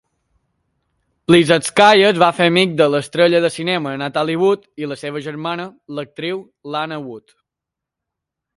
Plisetskaya es va fer amic de l'estrella de cinema Natalie Wood i la seva germana, l'actriu Lana Wood.